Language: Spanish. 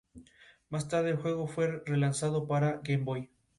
Sin embargo, ese mismo año tuvo que partir al destierro, a la Argentina.